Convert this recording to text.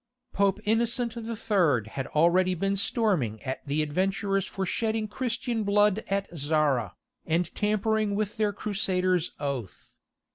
Pope Innocent III. had already been storming at the adventurers for shedding Christian blood at Zara, and tampering with their Crusader's oath.